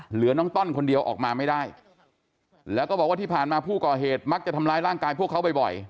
เหลือน้องต้อนคนเดียวออกมาไม่ได้แล้วก็บอกว่าที่ผ่านมาผู้ก่อเหตุมักจะทำร้ายร่างกายพวกเขาบ่อย